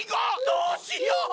どうしよう！